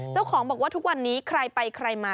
เจ้าของบอกว่าทุกวันนี้ใครไปใครมา